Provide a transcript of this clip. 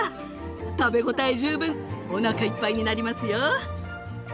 食べ応え十分おなかいっぱいになりますよ。